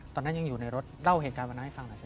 ตอนนั้นยังอยู่ในรถเล่าเหตุการณ์วันนั้นให้ฟังหน่อย